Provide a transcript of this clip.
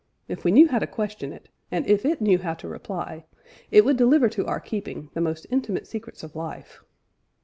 if we knew how to question it, and if it knew how to reply, it would deliver to our keeping the most intimate secrets of life."